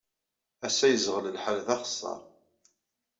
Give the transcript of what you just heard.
Ass-a, yeẓɣel lḥal d axeṣṣar.